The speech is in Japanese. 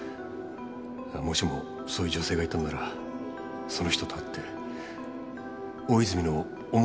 もしもそういう女性がいたんならその人と会って大泉の思い出話でもしたい。